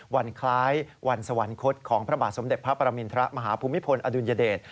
วันคล้ายวันสวรรคตของพระบาทสมเด็จพระปรมินทรมาฮภูมิพลอดุลยเดช